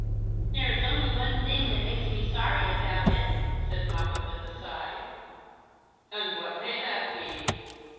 "There's only one thing that makes me sorry about it," said Moppet, Avith a sigh. " And what may that be